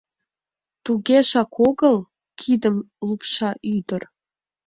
— Тугежак огыл! — кидым лупша ӱдыр.